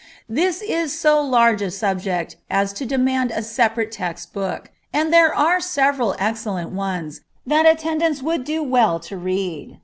This is so large a subject as to demand a separate text book, and there are several excellent ones, that attendants would do well to read.